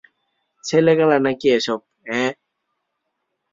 ছেলেখেলা নাকি এসব, অ্যাঁ?